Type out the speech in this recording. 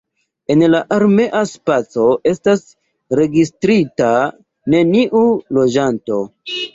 En la armea spaco estas registrita neniu loĝanto.